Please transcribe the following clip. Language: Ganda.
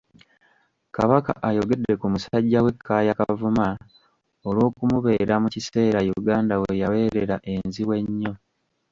Kabaka ayogedde ku musajja we Kaaya Kavuma olw'okumubeera mu kiseera Uganda weyabeerera enzibu ennyo.